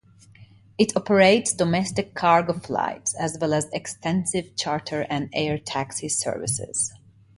It operates domestic cargo flights, as well as extensive charter and air taxi services.